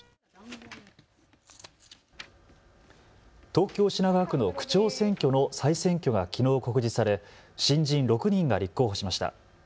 東京品川区の区長選挙の再選挙がきのう告示され新人６人が立候補しました。